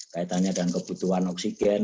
kaitannya dengan kebutuhan oksigen